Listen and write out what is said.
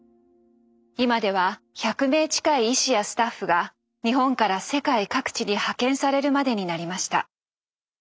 今では１００名近い医師やスタッフが日本から世界各地に派遣されるまでになりました。